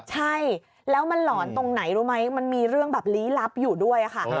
ใช่แล้วมันหลอนตรงไหนรู้ไหมมันมีเรื่องแบบลี้ลับอยู่ด้วยค่ะ